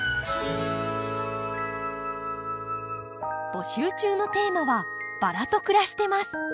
募集中のテーマは「バラと暮らしてます！」。